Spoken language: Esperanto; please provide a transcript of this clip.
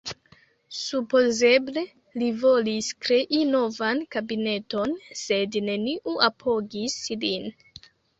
Supozeble li volis krei novan kabineton, sed neniu apogis lin.